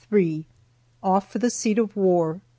OFF FOR THE SEAT OF WAR.